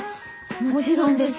もちろんです。